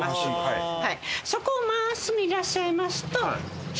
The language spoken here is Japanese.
そこを真っすぐいらっしゃいますと。